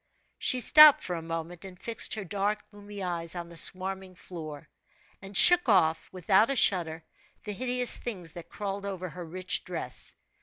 She stopped for a moment, and fixed her dark, gloomy eyes on the swarming floor, and shook off, with out a shudder, the hideous things that crawled over her rich dress.